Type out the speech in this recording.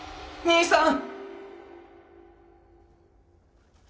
兄さん！